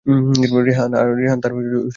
রেহান তার চুল ধুতে চায় না।